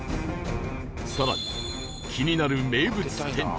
更に気になる名物店主